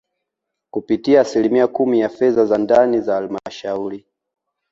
kupitia asilimia kumi ya fedha za ndani za Halmashauri